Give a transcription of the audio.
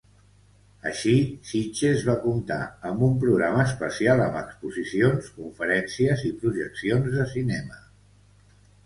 Així, Sitges va comptar amb un programa especial amb exposicions, conferències i projeccions de cinema.